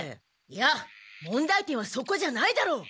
いや問題点はそこじゃないだろう！